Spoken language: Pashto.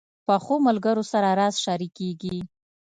پخو ملګرو سره راز شریکېږي